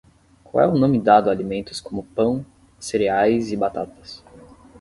Qual é o nome dado a alimentos como pão, cereais e batatas?